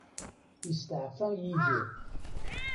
Isteɛfa Yidir.